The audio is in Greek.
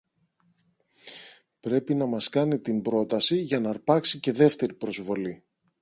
Πρέπει να μας κάνει την πρόταση, για ν' αρπάξει και δεύτερη προσβολή!